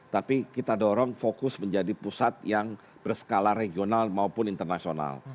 tapi kita dorong fokus menjadi pusat yang berskala regional maupun internasional